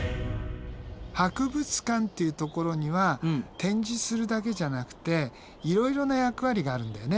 博物館っていうところには展示するだけじゃなくていろいろな役割があるんだよね。